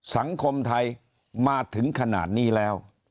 สังคมไทยมาถึงขนาดนี้แล้ว